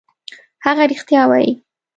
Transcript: هغه رښتیا وايي.